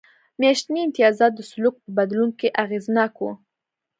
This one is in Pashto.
میاشتني امتیازات د سلوک په بدلون کې اغېزناک و.